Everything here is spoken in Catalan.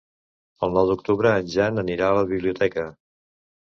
El nou d'octubre en Jan anirà a la biblioteca.